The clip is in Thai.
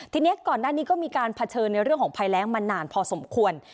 ทีนี้ก่อนหน้านี้ก็มีการเผชิญในเรื่องของภัยแรงมานานพอสมควร